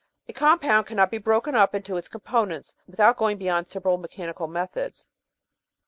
A compound cannot be broken up into its components without going beyond simple me chanical methods.